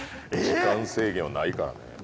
時間制限はないからね。